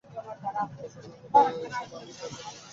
প্রশ্নটা হল, এসব আমি কার জন্য বলছি?